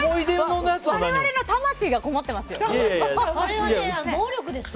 我々の魂がこもってますよ。